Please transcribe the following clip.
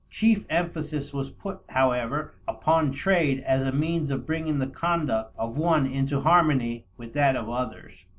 Chief emphasis was put, however, upon trade as a means of bringing the conduct of one into harmony with that of others.